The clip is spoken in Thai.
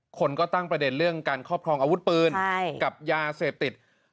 คนก็ตั้งประเด็นเรื่องการครอบครองอาวุธปืนกับยาเสพติด